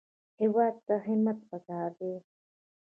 هېواد ته همت پکار دی